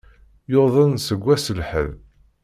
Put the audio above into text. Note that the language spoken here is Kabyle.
Yuḍen seg wass lḥedd.